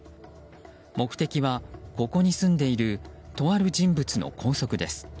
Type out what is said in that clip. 目的はここに住んでいるとある人物の拘束です。